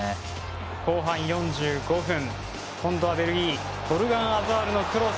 後半４５分今度はベルギートルガン・アザールのクロス。